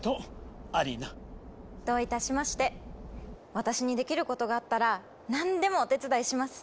私にできることがあったら何でもお手伝いします。